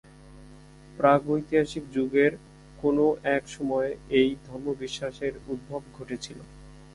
প্রাগৈতিহাসিক যুগের কোনও এক সময়ে এই ধর্মবিশ্বাসের উদ্ভব ঘটেছিল।